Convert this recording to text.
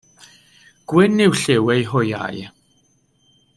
Gwyn yw lliw eu hwyau.